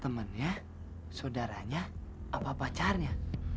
temannya sodaranya apa pacarnya